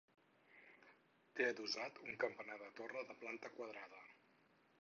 Té adossat un campanar de torre de planta quadrada.